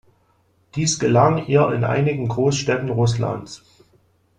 Dies gelang ihr in einigen Großstädten Russlands.